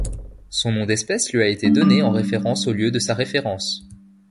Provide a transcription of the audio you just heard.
Son nom d'espèce lui a été donné en référence au lieu de sa référence.